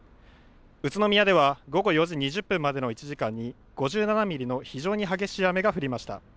宇都宮では午後４時２０分までの１時間に５７ミリの非常に激しい雨が降りました。